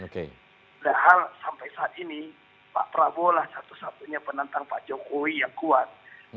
padahal sampai saat ini pak prabowo lah satu satunya penantang pak jokowi yang kuat